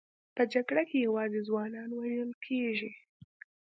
په جګړه کې یوازې ځوانان وژل کېږي